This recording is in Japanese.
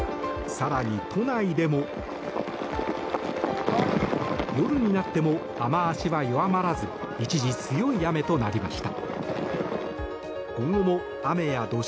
更に都内でも夜になっても雨脚は弱まらず一時強い雨となりました。